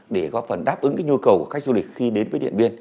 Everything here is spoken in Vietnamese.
để có phần đáp ứng nhu cầu của khách du lịch khi đến với điện biên